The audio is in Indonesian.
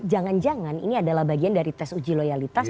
jangan jangan ini adalah bagian dari tes uji loyalitas